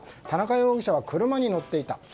田中容疑者は車に乗っていた。